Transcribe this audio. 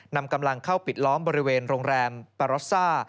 นำกำลังเข้าปิดล้อมบริเวณโรงแรมปารสซ่า